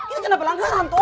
ini kena pelanggaran tuh